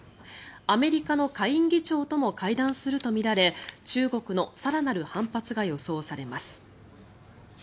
アメリカの下院議長とも会談するとみられ中国の更なる反発が予想されます。